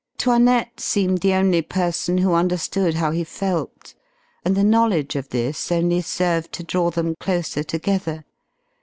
'Toinette seemed the only person who understood how he felt, and the knowledge of this only served to draw them closer together.